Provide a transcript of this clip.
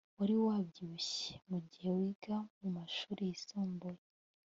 Wari wabyibushye mugihe wiga mumashuri yisumbuye